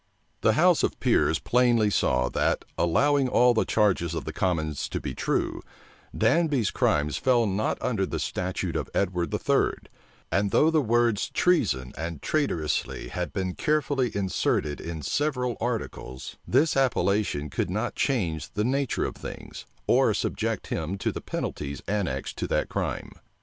The house of peers plainly saw, that, allowing all the charges of the commons to be true, Danby's crimes fell not under the statute of Edward III; and though the words treason and traitorously had been carefully inserted in several articles, this appellation could not change the nature of things, or subject him to the penalties annexed to that crime.